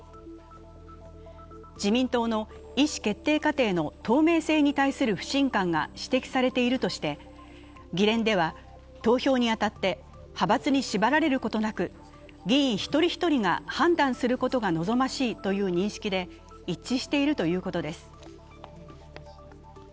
自民党の意思決定過程の透明性に対する不信感が指摘されているとして議連では投票に当たって派閥に縛られることなく議員一人一人が判断することが望ましいという認識で一致しているということです。